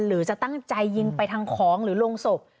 หรือจะตั้งใจยิงไปทางของหรือโรงศพ